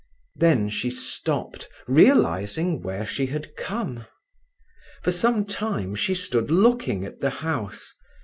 Then she stopped, realizing where she had come. For some time she stood looking at the house.